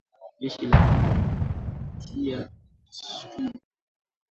Jeshi la jamhuri ya kidemokrasia linaishutumu Rwanda